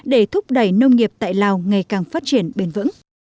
để thúc đẩy nông nghiệp tại lào ngày càng phát triển bền vững